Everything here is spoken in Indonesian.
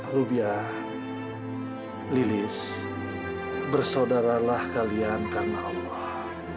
rupiah lilis bersaudaralah kalian karena allah